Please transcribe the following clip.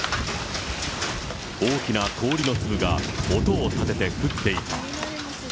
大きな氷の粒が、音を立てて降っていた。